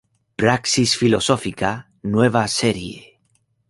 Praxis Filosófica, Nueva Serie.